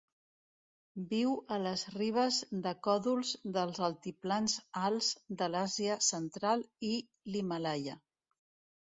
Viu a les ribes de còdols dels altiplans alts de l'Àsia Central i l'Himàlaia.